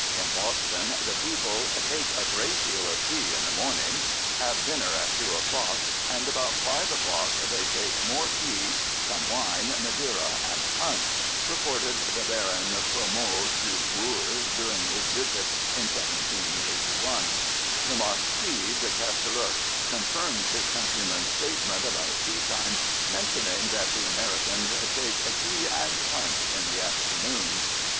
In Boston the people "take a great deal of tea in the morning," have dinner at two o'clock, and "about five o'clock they take more tea, some wine, madeira [and] punch," reported the Baron Cromot du Bourg during his visit in 1781. The Marquis de Chastellux confirms his countryman's statement about teatime, mentioning that the Americans take "tea and punch in the afternoon."